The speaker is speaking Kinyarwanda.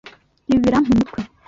Ibi birampa umutwe.